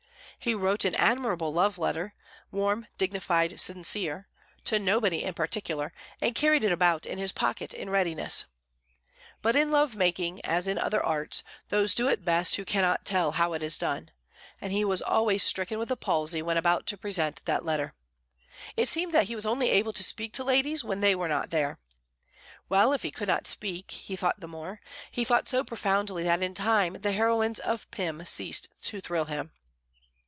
He wrote an admirable love letter warm, dignified, sincere to nobody in particular, and carried it about in his pocket in readiness. But in love making, as in the other arts, those do it best who cannot tell how it is done; and he was always stricken with a palsy when about to present that letter. It seemed that he was only able to speak to ladies when they were not there. Well, if he could not speak, he thought the more; he thought so profoundly that in time the heroines of Pym ceased to thrill him.